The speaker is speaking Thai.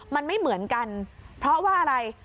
มันไม่เหมือนกันเพราะว่าอะไร